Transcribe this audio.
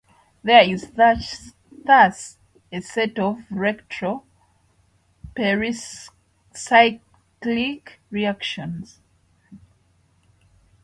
There is thus a set of "retro" pericyclic reactions.